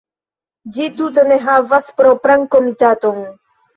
Ĝi tute ne havas propran komitaton.